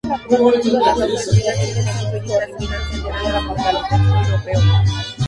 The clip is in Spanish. Sus investigaciones empíricas están centradas en el contexto europeo.